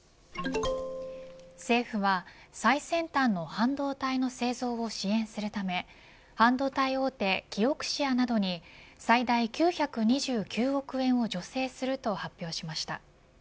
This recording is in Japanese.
政府は、最先端の半導体の製造を支援するため半導体大手キオクシアなどに最大９２９億円を助成すると発表しました。